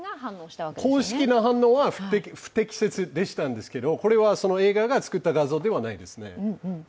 公式な反応は不適切だったんですが、これはその映画が作ったわけではないですね。